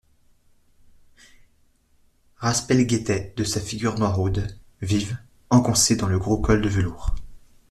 Raspail guettait, de sa figure noiraude, vive, engoncée dans le gros col de velours.